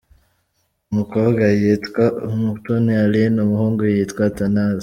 Umukobwa yitwa Umutoni Aline, umuhungu yitwa Athanase.